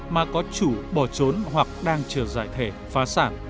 mà có chủ bỏ trốn hoặc đang chờ giải thể phá sản